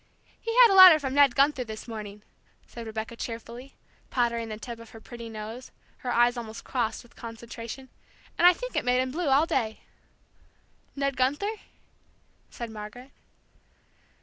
"He had a letter from Ned Gunther this morning," said Rebecca, cheerfully, powdering the tip of her pretty nose, her eyes almost crossed with concentration, "and I think it made him blue all day." "Ned Gunther?" said Margaret.